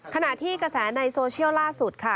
ขณะที่กระแสในโซเชียลล่าสุดค่ะ